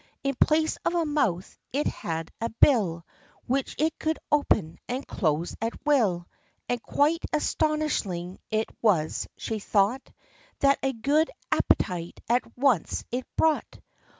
In place of a mouth, it had a bill, Which it could open and close at will; And quite astonishing it was, she thought, That a good appetite at once it brought.